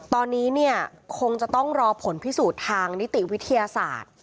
ตอนนี้เนี่ยคงจะต้องรอผลพิสูจน์ทางนิติวิทยาศาสตร์